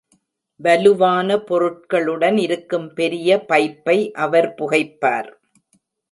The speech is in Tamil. வலுவான பொருட்களுடன் இருக்கும் பெரிய பைப்பை அவர் புகைப்பார்.